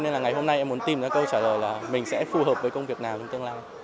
nên là ngày hôm nay em muốn tìm ra câu trả lời là mình sẽ phù hợp với công việc nào trong tương lai